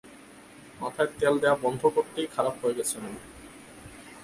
মাথায় তেল দেয়া বন্ধ করতেই, খারাপ হয়ে গেছে মেয়ে।